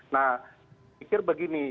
nah pikir begini